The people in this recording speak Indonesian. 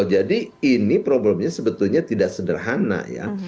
jadi ini problemnya sebetulnya tidak sederhana ya